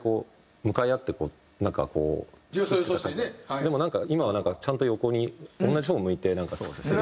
でもなんか今はちゃんと横に同じ方を向いて作ってるような。